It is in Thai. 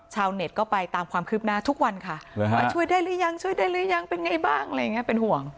ชาวเน็ตก็ไปตามความคืบหน้าทุกวันค่ะช่วยได้หรือยังช่วยได้หรือยังเป็นไงบ้างอะไรอย่างนี้เป็นห่วง